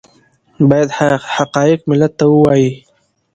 باید حقایق ملت ته ووایي